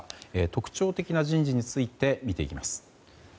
特徴的な人事について見ていきます。